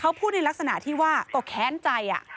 เขาพูดในลักษณะที่ว่าก็แค้นใจ